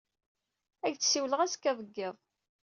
Ad ak-d-siwleɣ azekka deg yiḍ.